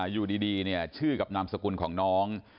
อยู่ดีชื่อกับนามสกุลของน้อง